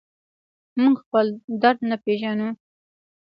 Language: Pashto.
موږ خپل درد نه پېژنو.